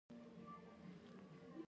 پروژې ولې ملي وي؟